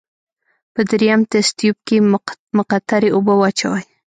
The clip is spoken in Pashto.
په دریم تست تیوب کې مقطرې اوبه واچوئ.